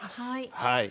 はい。